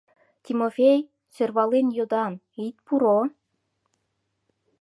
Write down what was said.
— Тимофей, сӧрвален йодам: ит пуро?